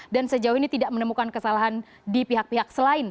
dan sejauh ini tidak menemukan kesalahan di pihak pihak selanjutnya